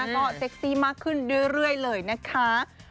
ก็เซ็กซี่มากขึ้นเรื่อยเลยนะคะ